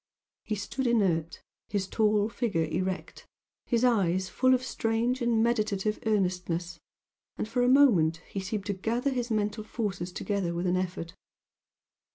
He stood inert his tall figure erect his eyes full of strange and meditative earnestness, and for a moment he seemed to gather his mental forces together with an effort.